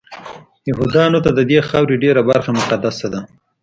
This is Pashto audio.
یهودانو ته ددې خاورې ډېره برخه مقدسه ده.